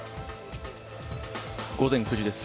午前９時です。